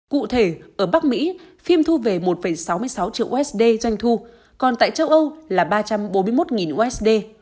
cụ thể ở bắc mỹ phim thu về một sáu mươi sáu triệu usd doanh thu còn tại châu âu là ba trăm bốn mươi một usd